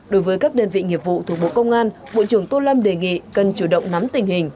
đối với các đơn vị nghiệp vụ thuộc bộ công an bộ trưởng tô lâm đề nghị cần chủ động nắm tình hình